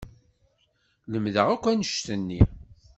Lemdeɣ akk annect-nni.